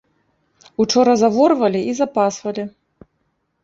Учора заворвалі і запасвалі.